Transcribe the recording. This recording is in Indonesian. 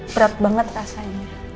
berat banget rasanya